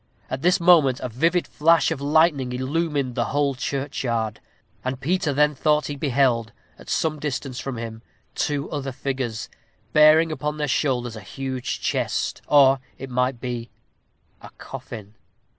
At this moment a vivid flash of lightning illumined the whole churchyard, and Peter then thought he beheld, at some distance from him, two other figures, bearing upon their shoulders a huge chest, or, it might be, a coffin.